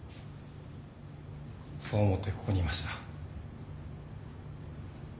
そう思ってここにいました。